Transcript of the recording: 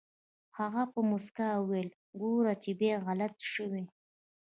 هغه په موسکا وويل ګوره چې بيا غلط شوې.